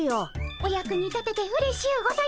お役に立ててうれしゅうございます。